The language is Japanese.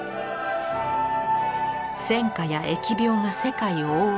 戦火や疫病が世界を覆う